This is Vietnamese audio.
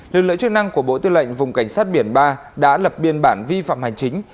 lực lượng chức năng của bộ tư lệnh vùng cảnh sát biển ba đã lập biên bản vi phạm hành chính